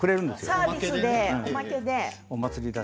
サービスで、おまけで。